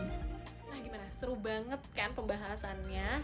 nah gimana seru banget kan pembahasannya